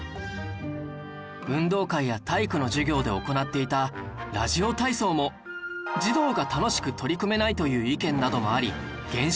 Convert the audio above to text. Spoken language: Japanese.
運動会や体育の授業で行っていたラジオ体操も児童が楽しく取り組めないという意見などもあり減少